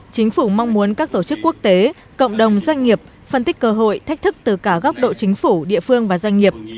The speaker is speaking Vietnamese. chính phủ mong muốn các tổ chức quốc tế cộng đồng doanh nghiệp phân tích cơ hội thách thức từ cả góc độ chính phủ địa phương và doanh nghiệp